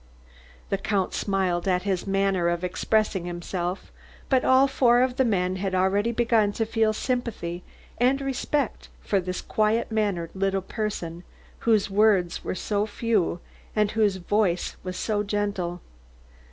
The Count smiled at his manner of expressing himself, but all four of the men had already begun to feel sympathy and respect for this quiet mannered little person whose words were so few and whose voice was so gentle.